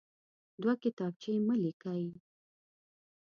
دوه کتابچې مه لیکئ.